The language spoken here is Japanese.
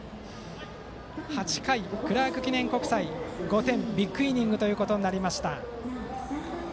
８回、クラーク記念国際は５点とビッグイニングとなりました。